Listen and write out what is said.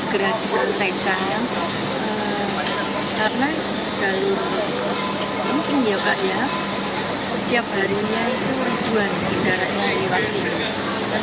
setiap harinya itu berjualan di darat ini di sini